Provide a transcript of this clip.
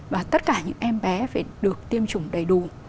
và tất cả những em bé phải được tiêm chủng đầy đủ